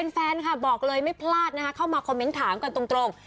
แฟนค่ะบอกเลยไม่พลาดนะคะเข้ามาคอมเมนต์ถามกันตรง